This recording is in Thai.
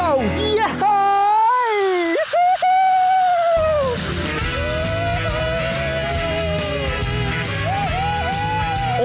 ย้าโฮ